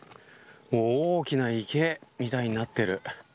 大きな池みたいになってる。